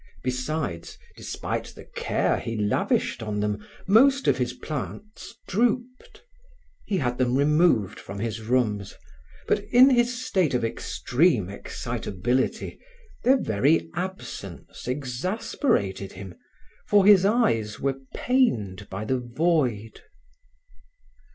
Besides, despite the care he lavished on them, most of his plants drooped. He had them removed from his rooms, but in his state of extreme excitability, their very absence exasperated him, for his eyes were pained by the void.